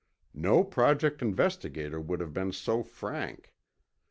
No Project investigator would have been so frank.